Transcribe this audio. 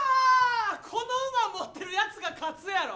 この馬、持ってる奴が勝つやろ。